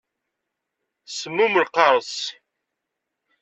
Semmum lqareṣ.